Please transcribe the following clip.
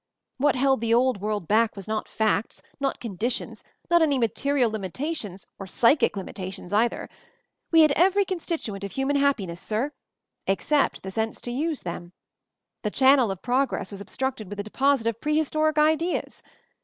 What held the old world back was not facts — not conditions — not any material limitations, or psychic limitations either. We had every constituent of human happi ness, sir — except the sense to use them. The channel of progress was obstructed with a deposit of prehistoric ideas.